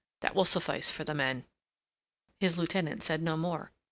That will suffice for the men." His lieutenant said no more.